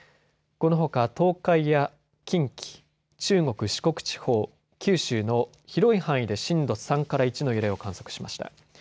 このほか東海や近畿、中国、四国地方、九州の広い範囲で震度３から１の揺れを観測しました。